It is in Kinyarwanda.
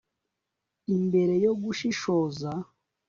Imbere yo gushishoza